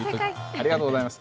ありがとうございます。